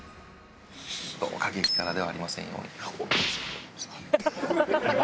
どうか激辛ではありませんように。